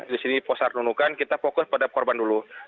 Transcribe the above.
di sini posar nunukan kita fokus pada korban dulu